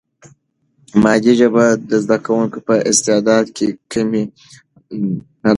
مادي ژبه د زده کوونکي په استعداد کې کمی نه راولي.